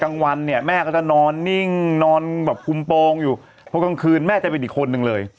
กลางวันเนี่ยแม่ก็จะนอนนิ่งนอนแบบคุมโปรงอยู่เพราะกลางคืนแม่จะเป็นอีกคนนึงเลย